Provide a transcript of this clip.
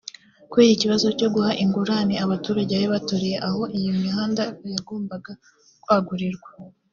kubera ikibazo cyo guha ingurane abaturage bari baturiye aho iyi mihanda yagombaga kwagurirwa